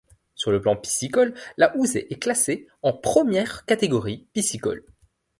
Sur le plan piscicole, la Houzée est classée en première catégorie piscicole.